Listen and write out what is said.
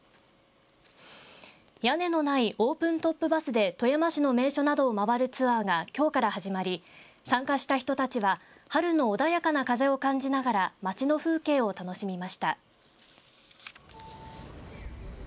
屋根のないオープントップバスで富山市の名所などを回るツアーがきょうから始まり参加した人たちは春の穏やかな風を感じながら街の風景を楽しみました。